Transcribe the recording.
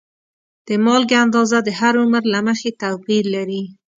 د مالګې اندازه د هر عمر له مخې توپیر لري.